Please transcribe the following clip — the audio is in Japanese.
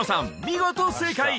見事正解！